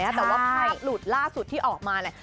แต่ว่าไพ่หลุดล่าสุดที่ออกมาเนี่ย